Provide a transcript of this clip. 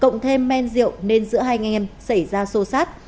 nên giữa hai anh em xảy ra xô sát